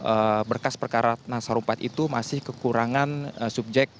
jaksa berkas perkarat ratna sarumpait itu masih kekurangan subjek